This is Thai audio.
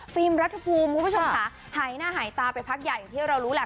รัฐภูมิคุณผู้ชมค่ะหายหน้าหายตาไปพักใหญ่อย่างที่เรารู้แหละ